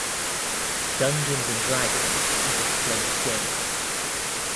Dungeons and Dragons is a splendid game.